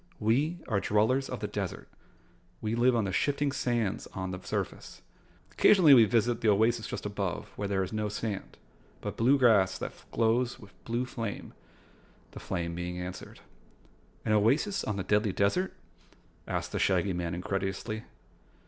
"We are Dwellers of the Desert. We live on the shifting sands on the surface. Occasionally we visit the oasis just above, where there is no sand, but blue grass that glows with blue flame," the flame being answered. "An oasis on the Deadly Desert?" asked the Shaggy Man incredulously.